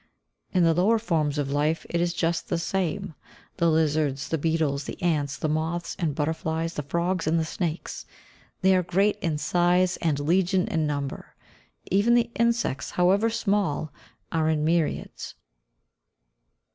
In the lower forms of life it is just the same; the lizards, the beetles, the ants, the moths and butterflies, the frogs and the snakes, they are great in size and legion in number. Even the insects, however small, are in myriads.